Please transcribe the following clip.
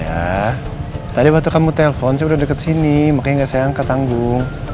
ya tadi waktu kamu telfon sih udah deket sini makanya gak saya angkat tanggung